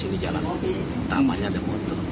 baru gitu kan